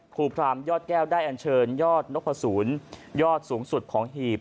ผู้พราหมณ์ยอดแก้วได้อัญเชิญยอดนกภาษูนยอดสูงสุดของหีบ